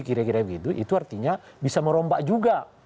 kira kira begitu itu artinya bisa merombak juga